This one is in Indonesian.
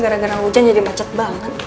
gara gara hujan jadi macet banget